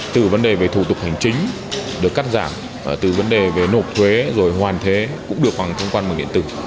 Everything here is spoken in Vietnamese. từ vấn đề về thủ tục hành chính được cắt giảm từ vấn đề về nộp thuế rồi hoàn thế cũng được bằng thông quan bằng điện tử